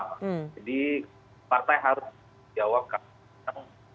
jadi partai harus menjawabkan